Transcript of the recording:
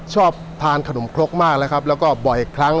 ชอบทานขนมครกมากนะครับแล้วก็บ่อยครั้ง